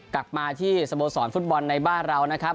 กลับมาที่สโมสรฟุตบอลในบ้านเรานะครับ